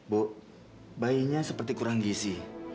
bu bayinya seperti kurang gisi